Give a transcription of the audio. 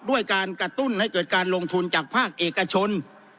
ด้วยการกระตุ้นให้เกิดการลงทุนจากภาคเอกชน